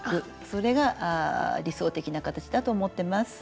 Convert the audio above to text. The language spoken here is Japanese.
それが理想的な形だと思ってます。